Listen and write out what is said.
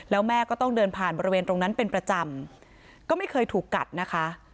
แล้วแม่ก็ต้องเดินผ่านบริเวณตรงนั้นเป็นประจำก็ไม่เคยถูกกัดนะคะ